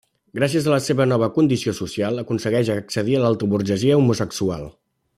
Gràcies a la seva nova condició social aconsegueix a accedir a l'alta burgesia homosexual.